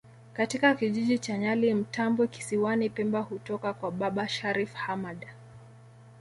katika kijiji cha Nyali Mtambwe kisiwani pemba kutoka kwa baba Sharif Hamad